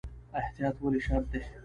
احتیاط ولې شرط دی؟